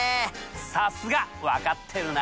さすが分かってるな。